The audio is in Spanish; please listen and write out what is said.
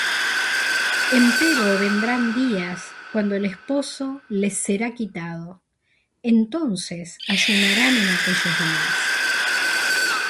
Empero vendrán días cuando el esposo les será quitado: entonces ayunarán en aquellos días.